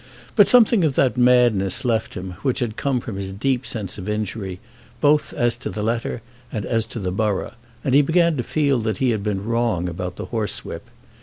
But something of that madness left him which had come from his deep sense of injury, both as to the letter and as to the borough, and he began to feel that he had been wrong about the horsewhip.